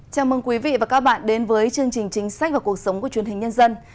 chào mừng quý vị và các bạn đến với chương trình chính sách và cuộc sống của truyền hình nhân dân